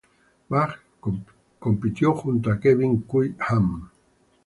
Bach compitió junto a Kevin Qi Han.